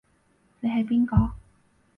你係邊個？